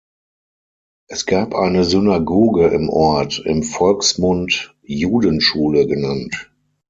Es gab eine Synagoge im Ort, im Volksmund "Judenschule" genannt.